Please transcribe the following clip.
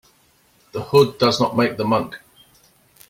The hood does not make the monk.